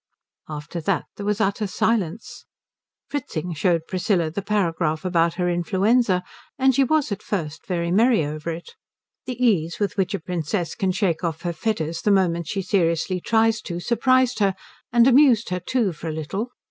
After that there was utter silence. Fritzing showed Priscilla the paragraph about her influenza, and she was at first very merry over it. The ease with which a princess can shake off her fetters the moment she seriously tries to surprised her, and amused her too, for a little.